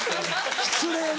失礼な。